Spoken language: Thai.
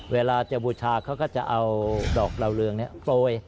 เวลาจะบูชาเขาก็จะเอาดอกเหล่าเรืองโปรย